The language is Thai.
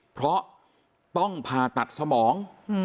เพราะต้องผ่าตัดสมอง